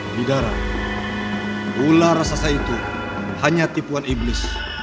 bidara ular sasa itu hanya tipuan iblis